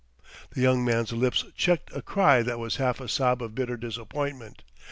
The young man's lips checked a cry that was half a sob of bitter disappointment.